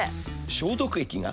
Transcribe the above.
消毒液が。